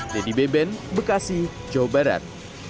dedy beben bekasi jawa barat